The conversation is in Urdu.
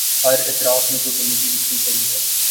ہر اطراف میں جو گندگی بکھری پڑی ہے۔